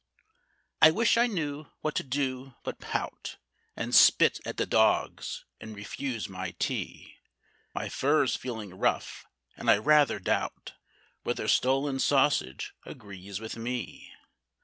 I wish I knew what to do but pout, And spit at the dogs and refuse my tea; My fur's feeling rough, and I rather doubt Whether stolen sausage agrees with me.